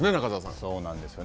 そうなんですよね。